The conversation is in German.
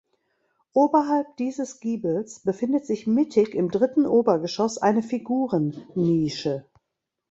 Oberhalb dieses Giebels befindet sich mittig im dritten Obergeschoss eine Figurennische.